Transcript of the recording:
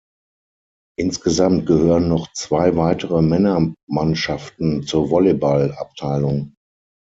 Insgesamt gehören noch zwei weitere Männermannschaften zur Volleyball-Abteilung.